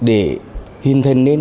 để hình thành nên